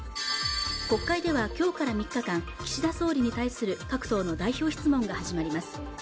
国会では今日から３日間岸田総理に対する各党の代表質問が始まります